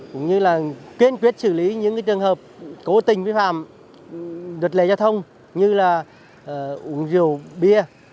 cũng như là kiên quyết xử lý những trường hợp cố tình vi phạm luật lệ giao thông như là uống rượu bia